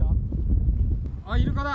あー、イルカだ。